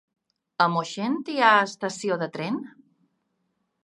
A Moixent hi ha estació de tren?